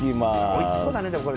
おいしそうだね。